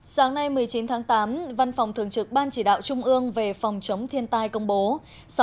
sáng nay một mươi chín tháng tám văn phòng thường trực ban chỉ đạo trung ương về phòng chống thiên tai công bố